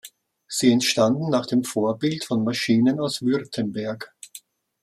Sie entstanden nach dem Vorbild von Maschinen aus Württemberg.